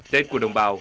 tết của đồng bào